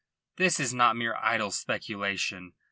This is not mere idle speculation.